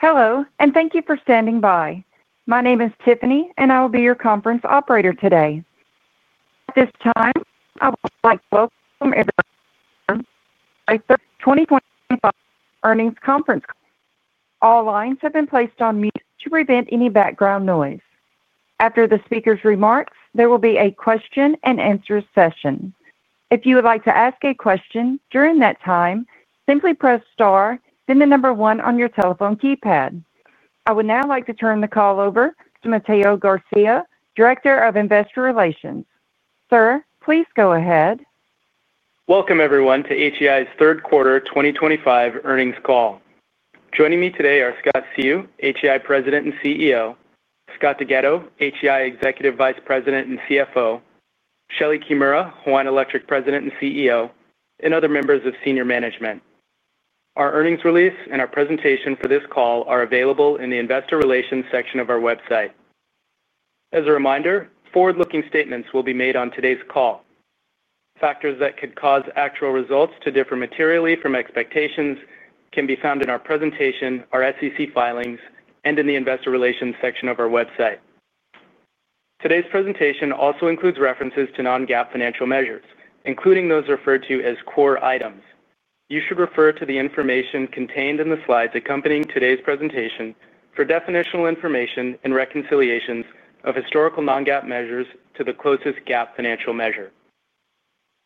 Hello, and thank you for standing by. My name is Tiffany, and I will be your conference operator today. At this time, I would like to welcome everyone to the 2025 earnings conference call. All lines have been placed on mute to prevent any background noise. After the speaker's remarks, there will be a question-and-answer session. If you would like to ask a question during that time, simply press star and then the number one on your telephone keypad. I would now like to turn the call over to Mateo Garcia, Director of Investor Relations. Sir, please go ahead. Welcome, everyone, to HEI's third quarter 2025 earnings call. Joining me today are Scott Seu, HEI President and CEO; Scott DeGhetto, HEI Executive Vice President and CFO; Shelee Kimura, Hawaiian Electric President and CEO; and other members of senior management. Our earnings release and our presentation for this call are available in the Investor Relations section of our website. As a reminder, forward-looking statements will be made on today's call. Factors that could cause actual results to differ materially from expectations can be found in our presentation, our SEC filings, and in the Investor Relations section of our website. Today's presentation also includes references to non-GAAP financial measures, including those referred to as core items. You should refer to the information contained in the slides accompanying today's presentation for definitional information and reconciliations of historical non-GAAP measures to the closest GAAP financial measure.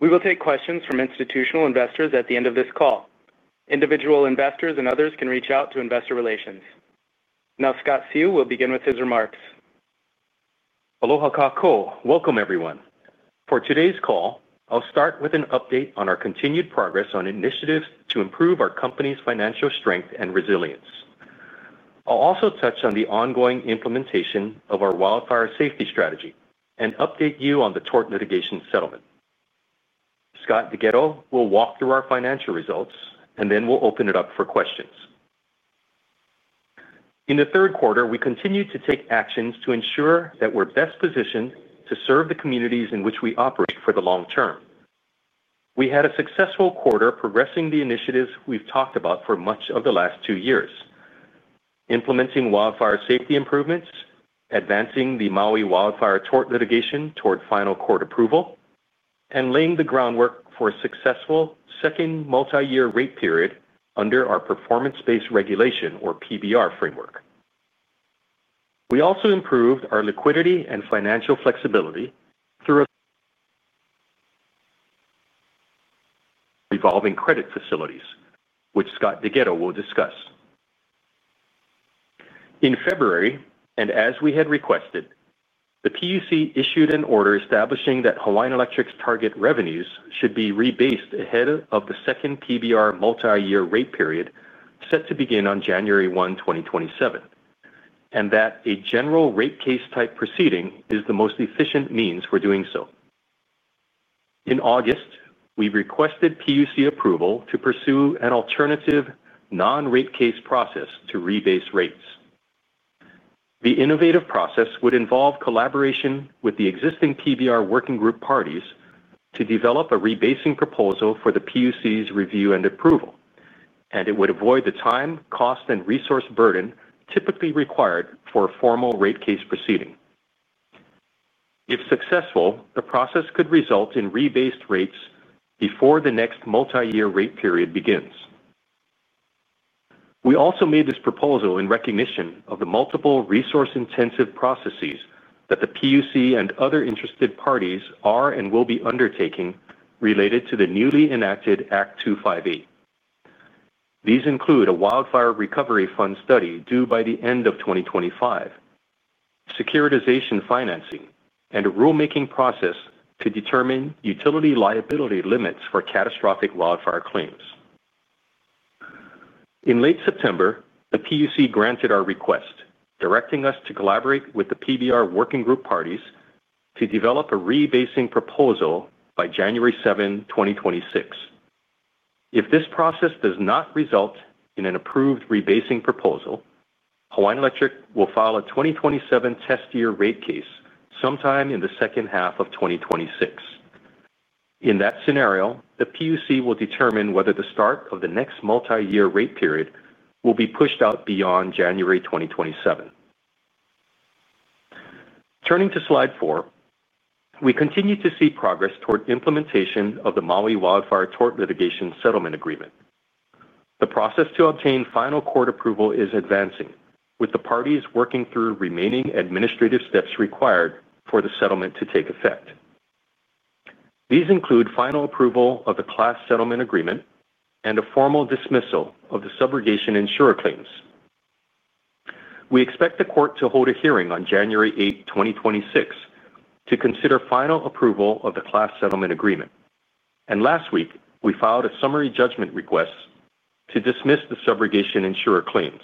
We will take questions from institutional investors at the end of this call. Individual investors and others can reach out to Investor Relations. Now, Scott Seu will begin with his remarks. Aloha kākou. Welcome, everyone. For today's call, I'll start with an update on our continued progress on initiatives to improve our company's financial strength and resilience. I'll also touch on the ongoing implementation of our wildfire safety strategy and update you on the tort litigation settlement. Scott DeGhetto will walk through our financial results, and then we'll open it up for questions. In the third quarter, we continued to take actions to ensure that we're best positioned to serve the communities in which we operate for the long term. We had a successful quarter progressing the initiatives we've talked about for much of the last two years: implementing wildfire safety improvements, advancing the Maui wildfire tort litigation toward final court approval, and laying the groundwork for a successful second multi-year rate period under our performance-based regulation, or PBR, framework. We also improved our liquidity and financial flexibility through evolving credit facilities, which Scott DeGhetto will discuss. In February, and as we had requested, the PUC issued an order establishing that Hawaiian Electric's target revenues should be rebased ahead of the second PBR multi-year rate period set to begin on January 1, 2027, and that a general rate case type proceeding is the most efficient means for doing so. In August, we requested PUC approval to pursue an alternative non-rate case process to rebase rates. The innovative process would involve collaboration with the existing PBR working group parties to develop a rebasing proposal for the PUC's review and approval, and it would avoid the time, cost, and resource burden typically required for a formal rate case proceeding. If successful, the process could result in rebased rates before the next multi-year rate period begins. We also made this proposal in recognition of the multiple resource-intensive processes that the PUC and other interested parties are and will be undertaking related to the newly enacted Act 258. These include a wildfire recovery fund study due by the end of 2025, securitization financing, and a rulemaking process to determine utility liability limits for catastrophic wildfire claims. In late September, the PUC granted our request, directing us to collaborate with the PBR working group parties to develop a rebasing proposal by January 7, 2026. If this process does not result in an approved rebasing proposal, Hawaiian Electric will file a 2027 test year rate case sometime in the second half of 2026. In that scenario, the PUC will determine whether the start of the next multi-year rate period will be pushed out beyond January 2027. Turning to slide four, we continue to see progress toward implementation of the Maui wildfire tort litigation settlement agreement. The process to obtain final court approval is advancing, with the parties working through remaining administrative steps required for the settlement to take effect. These include final approval of the class settlement agreement and a formal dismissal of the subrogation insurer claims. We expect the court to hold a hearing on January 8, 2026, to consider final approval of the class settlement agreement. Last week, we filed a summary judgment request to dismiss the subrogation insurer claims.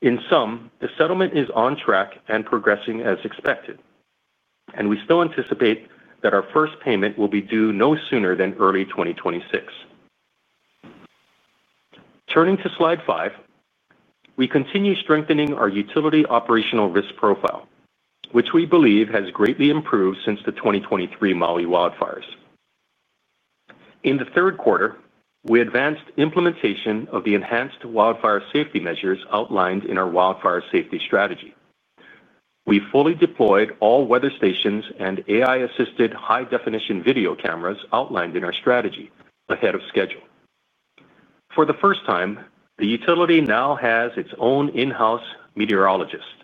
In sum, the settlement is on track and progressing as expected, and we still anticipate that our first payment will be due no sooner than early 2026. Turning to slide five, we continue strengthening our utility operational risk profile, which we believe has greatly improved since the 2023 Maui wildfires. In the third quarter, we advanced implementation of the enhanced wildfire safety measures outlined in our wildfire safety strategy. We fully deployed all weather stations and AI-assisted high-definition video cameras outlined in our strategy ahead of schedule. For the first time, the utility now has its own in-house meteorologist,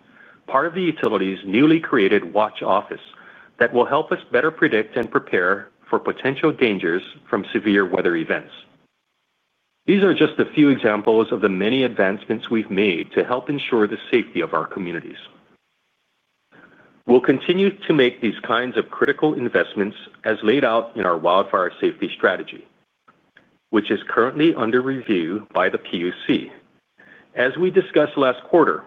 part of the utility's newly created watch office, that will help us better predict and prepare for potential dangers from severe weather events. These are just a few examples of the many advancements we've made to help ensure the safety of our communities. We'll continue to make these kinds of critical investments, as laid out in our wildfire safety strategy, which is currently under review by the PUC. As we discussed last quarter,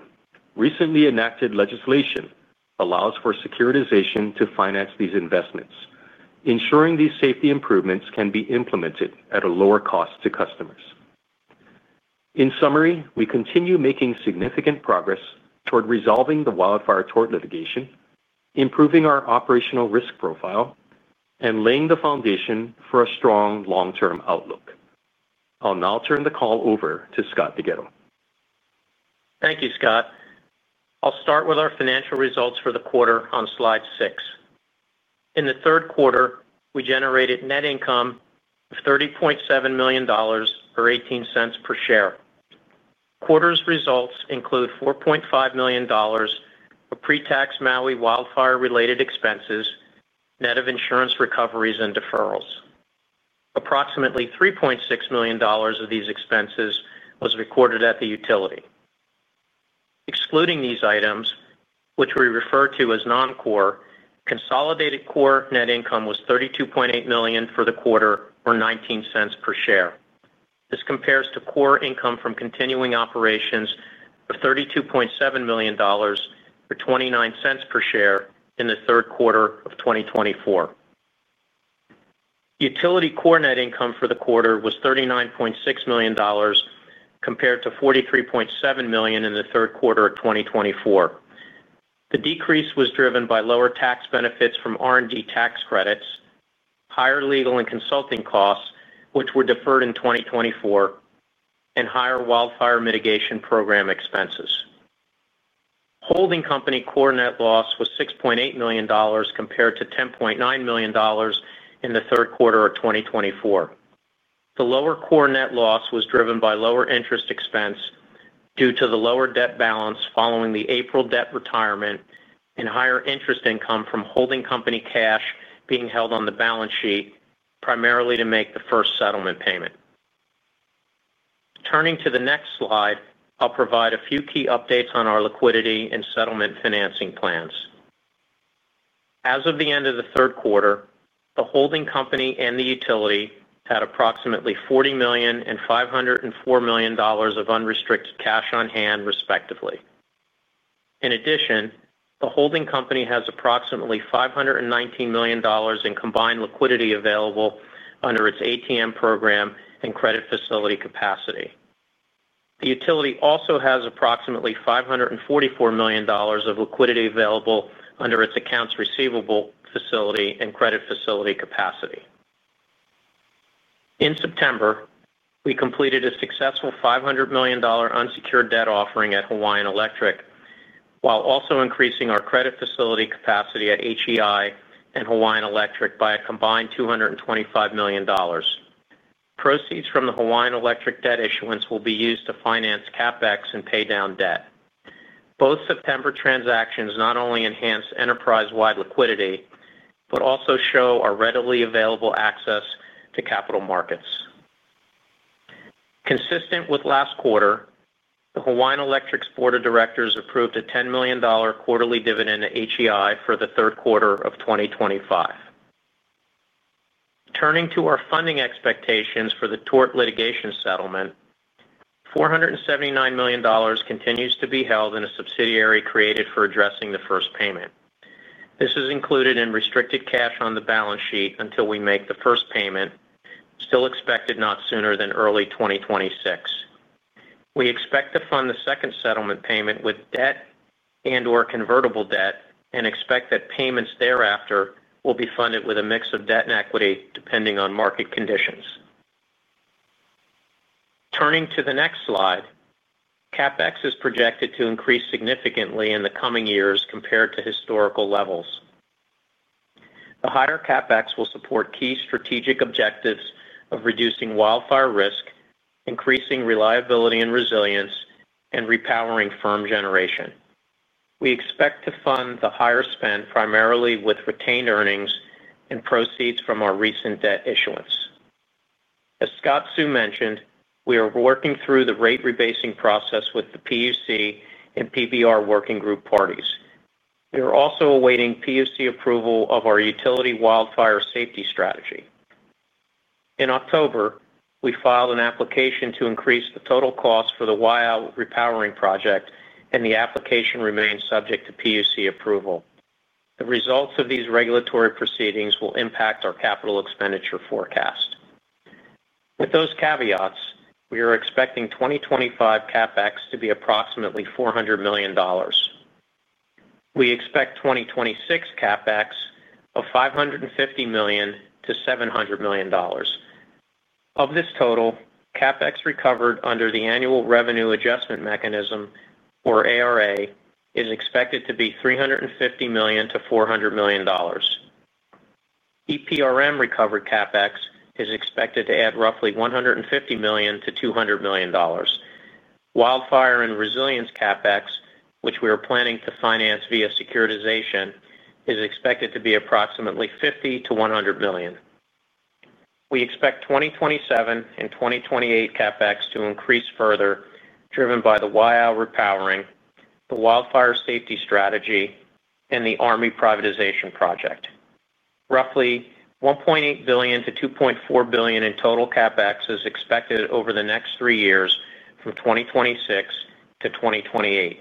recently enacted legislation allows for securitization to finance these investments, ensuring these safety improvements can be implemented at a lower cost to customers. In summary, we continue making significant progress toward resolving the wildfire tort litigation, improving our operational risk profile, and laying the foundation for a strong long-term outlook. I'll now turn the call over to Scott DeGhetto. Thank you, Scott. I'll start with our financial results for the quarter on slide six. In the third quarter, we generated net income of $30.7 million or $0.18 per share. Quarter's results include $4.5 million for pre-tax Maui wildfire-related expenses, net of insurance recoveries and deferrals. Approximately $3.6 million of these expenses was recorded at the utility. Excluding these items, which we refer to as non-core, consolidated core net income was $32.8 million for the quarter or $0.19 per share. This compares to core income from continuing operations of $32.7 million or $0.29 per share in the third quarter of 2024. Utility core net income for the quarter was $39.6 million, compared to $43.7 million in the third quarter of 2024. The decrease was driven by lower tax benefits from R&D tax credits, higher legal and consulting costs, which were deferred in 2024, and higher wildfire mitigation program expenses. Holding company core net loss was $6.8 million, compared to $10.9 million in the third quarter of 2024. The lower core net loss was driven by lower interest expense due to the lower debt balance following the April debt retirement and higher interest income from holding company cash being held on the balance sheet, primarily to make the first settlement payment. Turning to the next slide, I'll provide a few key updates on our liquidity and settlement financing plans. As of the end of the third quarter, the holding company and the utility had approximately $40 million and $504 million of unrestricted cash on hand, respectively. In addition, the holding company has approximately $519 million in combined liquidity available under its ATM program and credit facility capacity. The utility also has approximately $544 million of liquidity available under its accounts receivable facility and credit facility capacity. In September, we completed a successful $500 million unsecured debt offering at Hawaiian Electric, while also increasing our credit facility capacity at HEI and Hawaiian Electric by a combined $225 million. Proceeds from the Hawaiian Electric debt issuance will be used to finance CapEx and pay down debt. Both September transactions not only enhance enterprise-wide liquidity but also show our readily available access to capital markets. Consistent with last quarter, the Hawaiian Electric's board of directors approved a $10 million quarterly dividend to HEI for the third quarter of 2025. Turning to our funding expectations for the tort litigation settlement, $479 million continues to be held in a subsidiary created for addressing the first payment. This is included in restricted cash on the balance sheet until we make the first payment, still expected not sooner than early 2026. We expect to fund the second settlement payment with debt and/or convertible debt and expect that payments thereafter will be funded with a mix of debt and equity depending on market conditions. Turning to the next slide, CapEx is projected to increase significantly in the coming years compared to historical levels. The higher CapEx will support key strategic objectives of reducing wildfire risk, increasing reliability and resilience, and repowering firm generation. We expect to fund the higher spend primarily with retained earnings and proceeds from our recent debt issuance. As Scott Seu mentioned, we are working through the rate rebasing process with the PUC and PBR working group parties. We are also awaiting PUC approval of our utility wildfire safety strategy. In October, we filed an application to increase the total cost for the Wai'a Repowering Project, and the application remains subject to PUC approval. The results of these regulatory proceedings will impact our capital expenditure forecast. With those caveats, we are expecting 2025 CapEx to be approximately $400 million. We expect 2026 CapEx of $550 million-$700 million. Of this total, CapEx recovered under the Annual Revenue Adjustment Mechanism, or ARA, is expected to be $350 million-$400 million. EPRM recovered CapEx is expected to add roughly $150 million-$200 million. Wildfire and resilience CapEx, which we are planning to finance via securitization, is expected to be approximately $50 million-$100 million. We expect 2027 and 2028 CapEx to increase further, driven by the Wai'a Repowering Project, the Wildfire Safety Strategy, and the Army privatization project. Roughly $1.8 billion-$2.4 billion in total CapEx is expected over the next three years from 2026 to 2028.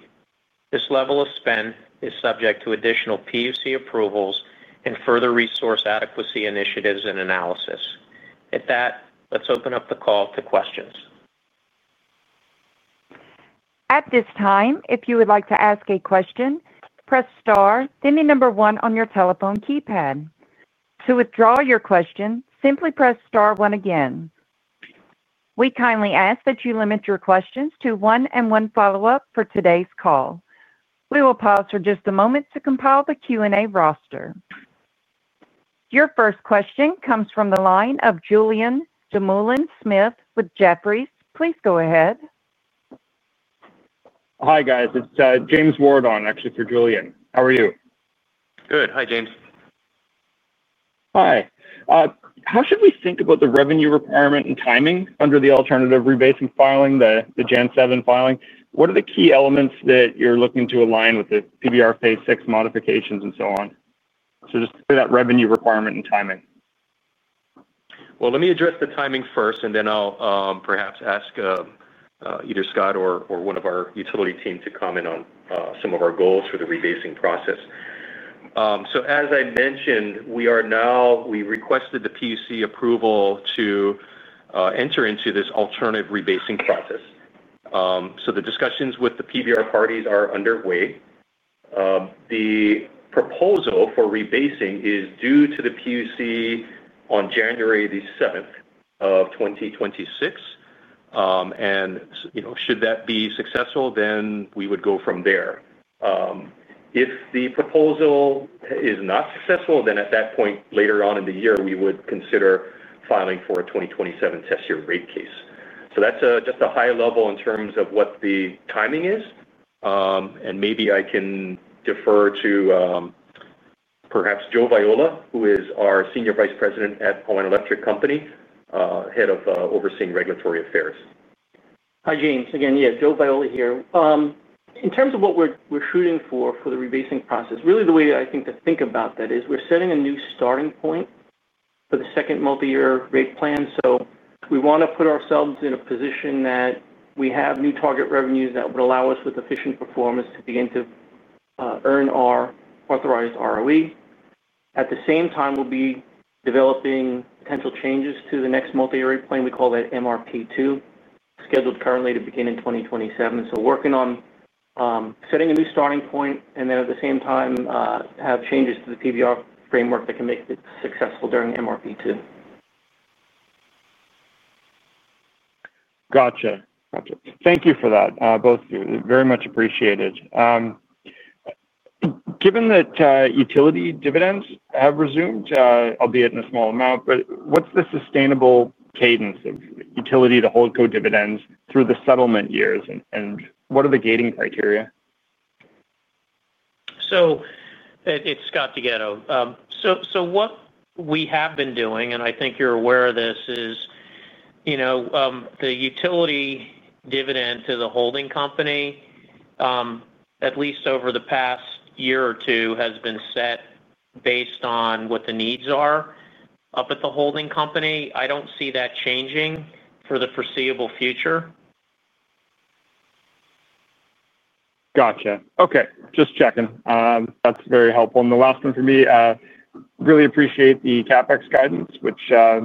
This level of spend is subject to additional PUC approvals and further resource adequacy initiatives and analysis. At that, let's open up the call to questions. At this time, if you would like to ask a question, press star, then the number one on your telephone keypad. To withdraw your question, simply press star one again. We kindly ask that you limit your questions to one and one follow-up for today's call. We will pause for just a moment to compile the Q&A roster. Your first question comes from the line of Julien Dumoulin-Smith with Jefferies. Please go ahead. Hi, guys. It's James Ward on, actually, for Julian. How are you? Good. Hi, James. Hi. How should we think about the revenue requirement and timing under the alternative rebasing filing, the January 7 filing? What are the key elements that you're looking to align with the PBR phase six modifications and so on? Just that revenue requirement and timing. Let me address the timing first, and then I'll perhaps ask either Scott or one of our utility team to comment on some of our goals for the rebasing process. As I mentioned, we requested the PUC approval to enter into this alternative rebasing process. The discussions with the PBR parties are underway. The proposal for rebasing is due to the PUC on January 7, 2026. Should that be successful, we would go from there. If the proposal is not successful, at that point later on in the year, we would consider filing for a 2027 test year rate case. That is just a high level in terms of what the timing is. Maybe I can defer to perhaps Joe Viola, who is our Senior Vice President at Hawaiian Electric Company, head of overseeing regulatory affairs. Hi, James. Again, yeah, Joe Viola here. In terms of what we're shooting for for the rebasing process, really the way I think to think about that is we're setting a new starting point for the second multi-year rate plan. We want to put ourselves in a position that we have new target revenues that would allow us with efficient performance to begin to earn our authorized ROE. At the same time, we'll be developing potential changes to the next multi-year rate plan. We call that MRP2, scheduled currently to begin in 2027. Working on setting a new starting point and then at the same time have changes to the PBR framework that can make it successful during MRP2. Gotcha. Gotcha. Thank you for that. Both of you. Very much appreciated. Given that utility dividends have resumed, albeit in a small amount, but what's the sustainable cadence of utility to hold co-dividends through the settlement years? And what are the gating criteria? It's Scott DeGhetto. What we have been doing, and I think you're aware of this, is the utility dividend to the holding company, at least over the past year or two, has been set based on what the needs are up at the holding company. I don't see that changing for the foreseeable future. Gotcha. Okay. Just checking. That is very helpful. The last one for me, really appreciate the CapEx guidance, which, as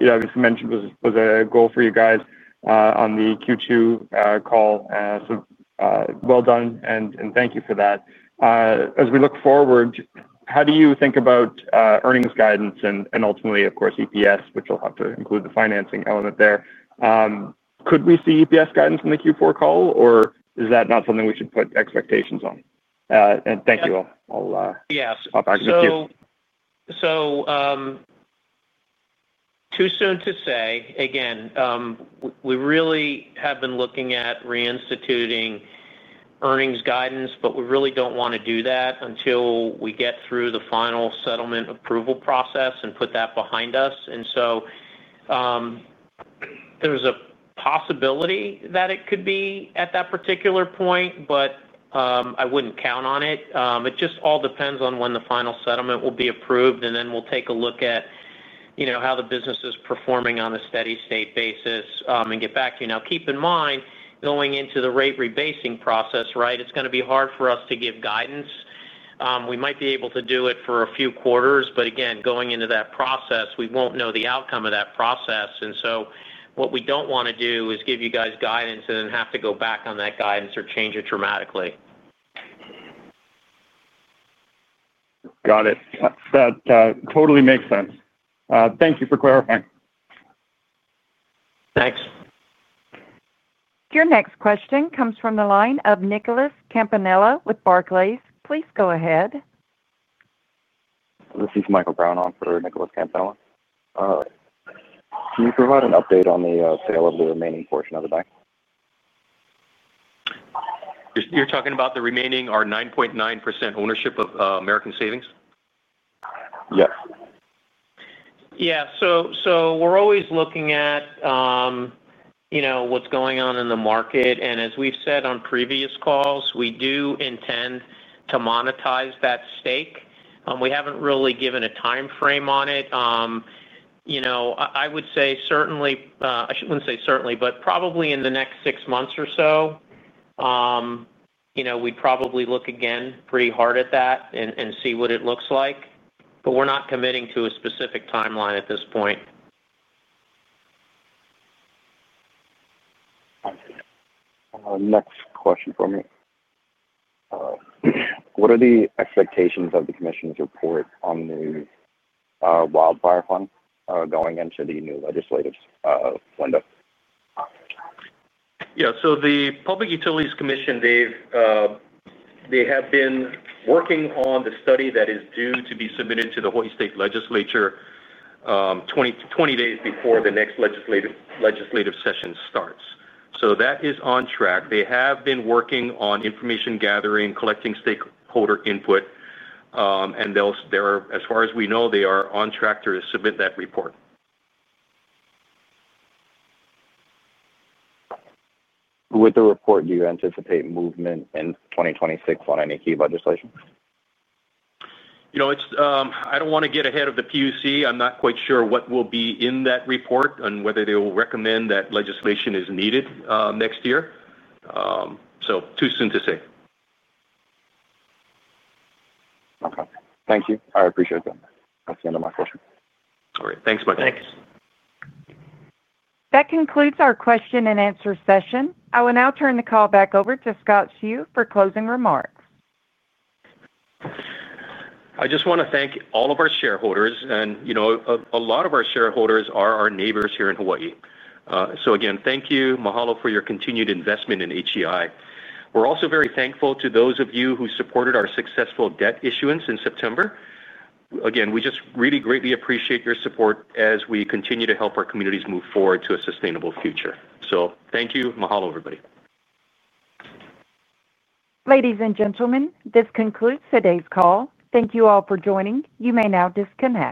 you mentioned, was a goal for you guys on the Q2 call. Well done, and thank you for that. As we look forward, how do you think about earnings guidance and ultimately, of course, EPS, which will have to include the financing element there? Could we see EPS guidance in the Q4 call, or is that not something we should put expectations on? Thank you. I will back it up to you. Yeah. Too soon to say. Again, we really have been looking at reinstituting earnings guidance, but we really do not want to do that until we get through the final settlement approval process and put that behind us. There is a possibility that it could be at that particular point, but I would not count on it. It just all depends on when the final settlement will be approved, and then we will take a look at how the business is performing on a steady-state basis and get back to you. Now, keep in mind, going into the rate rebasing process, right, it is going to be hard for us to give guidance. We might be able to do it for a few quarters, but again, going into that process, we will not know the outcome of that process. What we do not want to do is give you guys guidance and then have to go back on that guidance or change it dramatically. Got it. That totally makes sense. Thank you for clarifying. Thanks. Your next question comes from the line of Nicholas Campanella with Barclays. Please go ahead. This is Michael Brown on for Nicholas Campanella. All right. Can you provide an update on the sale of the remaining portion of the bank? You're talking about the remaining or 9.9% ownership of American Savings? Yes. Yeah. We are always looking at what is going on in the market. As we have said on previous calls, we do intend to monetize that stake. We have not really given a timeframe on it. I would say certainly, I should not say certainly, but probably in the next six months or so, we would probably look again pretty hard at that and see what it looks like. We are not committing to a specific timeline at this point. Next question for me. What are the expectations of the commission's report on the wildfire fund going into the new legislative window? Yeah. The Public Utilities Commission, they have been working on the study that is due to be submitted to the Hawai'i State Legislature 20 days before the next legislative session starts. That is on track. They have been working on information gathering, collecting stakeholder input. As far as we know, they are on track to submit that report. With the report, do you anticipate movement in 2026 on any key legislation? I don't want to get ahead of the PUC. I'm not quite sure what will be in that report and whether they will recommend that legislation is needed next year. Too soon to say. Okay. Thank you. I appreciate that. That's the end of my question. All right. Thanks, Michael. Thanks. That concludes our question and answer session. I will now turn the call back over to Scott Seu for closing remarks. I just want to thank all of our shareholders. A lot of our shareholders are our neighbors here in Hawai'i. Again, thank you, Mahalo, for your continued investment in HEI. We are also very thankful to those of you who supported our successful debt issuance in September. We just really greatly appreciate your support as we continue to help our communities move forward to a sustainable future. Thank you, Mahalo, everybody. Ladies and gentlemen, this concludes today's call. Thank you all for joining. You may now disconnect.